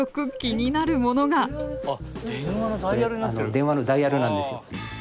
電話のダイヤルなんですよ。